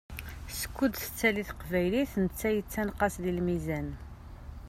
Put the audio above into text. Skud tettali teqbaylit, netta yettenɣaṣ di lmizan.